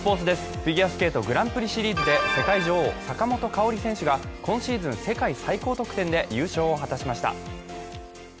フィギアスケート・グランプリシリーズで世界女王・坂本花織選手が今シーズン世界最高得点で優勝を果たしました。